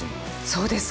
そうです。